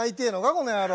この野郎。